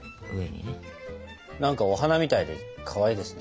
何かお花みたいでかわいいですね。